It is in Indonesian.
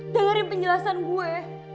dengarin penjelasan gue